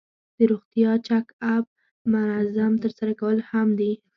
د روغتیا چک اپ منظم ترسره کول مهم دي.